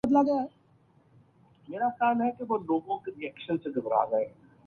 دلیر خاتون تھیں۔